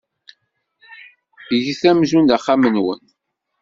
Get amzun d axxam-nwen.